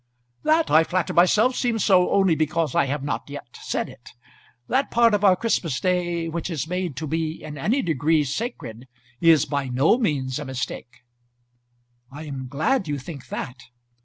"That, I flatter myself, seems so only because I have not yet said it. That part of our Christmas day which is made to be in any degree sacred is by no means a mistake." "I am glad you think that."